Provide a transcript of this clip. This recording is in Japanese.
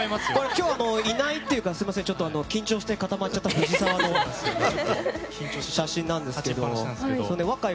今日はいないっていうか緊張して固まっちゃった藤澤の写真なんですけど。